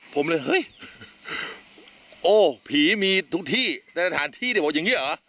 ผมเลยเฮ้ยเอ้อผีมีทุกที่แต่ฐานที่ดิอย่างเงี้ยเหรอ